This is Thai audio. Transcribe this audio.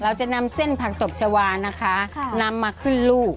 เราจะนำเส้นผักตบชาวานะคะนำมาขึ้นลูก